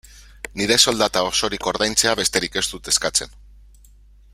Nire soldata osorik ordaintzea besterik ez dut eskatzen.